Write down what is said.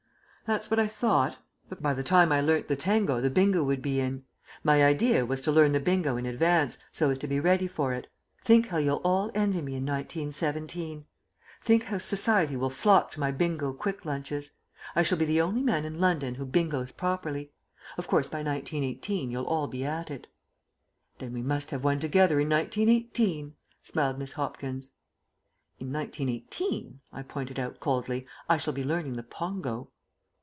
"That's what I thought. By the time I learnt the tango, the bingo would be in. My idea was to learn the bingo in advance, so as to be ready for it. Think how you'll all envy me in 1917. Think how Society will flock to my Bingo Quick Lunches. I shall be the only man in London who bingoes properly. Of course, by 1918 you'll all be at it." "Then we must have one together in 1918," smiled Miss Hopkins. "In 1918," I pointed out coldly, "I shall be learning the pongo."